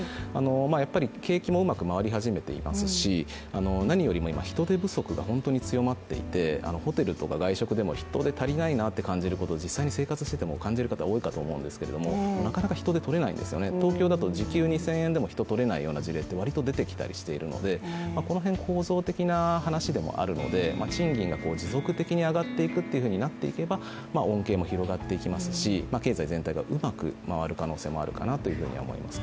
やっぱり景気もうまく回り始めていますし、何より今、人手不足が本当に強まっていて、ホテルとか外食でも人手足りないなと感じていることが多いと思うんですけどなかなか人手が増えないんですよね、東京では時給１２００円でも人が取れないということがわりと出てきたりしているので、この辺構造的な話でもあるので賃金が持続的に上がっていくというふうになっていけば恩恵も広がっていきますし経済全体がうまく回る可能性もあるかなと思います。